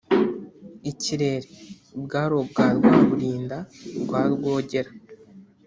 ”Ikirere “bwari ubwa Rwabilinda rwa Rwogera